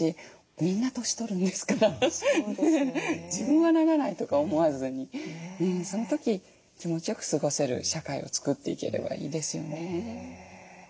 みんな年とるんですから自分はならないとか思わずにその時気持ちよく過ごせる社会を作っていければいいですよね。